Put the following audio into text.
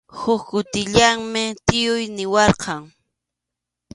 Huk kutillanmi tiyuy niwarqan.